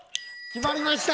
決まりました。